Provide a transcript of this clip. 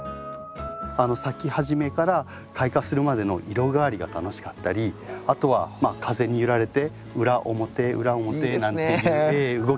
咲き始めから開花するまでの色変わりが楽しかったりあとは風に揺られて裏表裏表なんていう動きが。